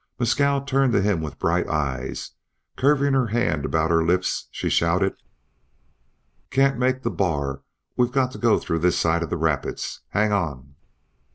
Mescal turned to him with bright eyes; curving her hand about her lips she shouted: "Can't make the bar! We've got to go through this side of the rapids. Hang on!"